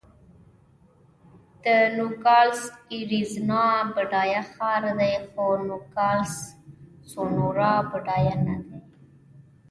د نوګالس اریزونا بډایه ښار دی، خو نوګالس سونورا بډایه نه دی.